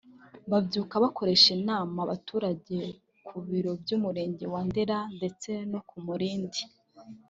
babyutse bakoresha inama abaturage ku biro by’Umurenge wa Ndera ndetse no ku Mulindi